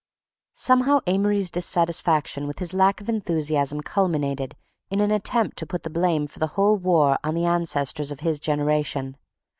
Somehow Amory's dissatisfaction with his lack of enthusiasm culminated in an attempt to put the blame for the whole war on the ancestors of his generation...